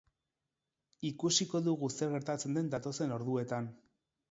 Ikusiko dugu zer gertatzen den datozen orduetan.